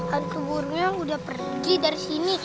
hantu gurunya udah pergi dari sini